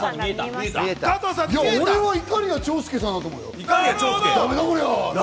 俺はいかりや長介さんだと思うよ。